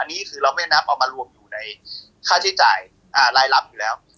อันนี้คือเราไม่นับเอามารวมอยู่ในค่าใช้จ่ายรายรับอยู่แล้ว